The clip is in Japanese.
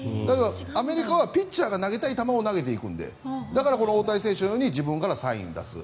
アメリカはピッチャーが投げたい球を投げていくのでだから、大谷選手のように自分からサインを出す。